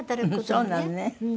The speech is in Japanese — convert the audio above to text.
そうなのね。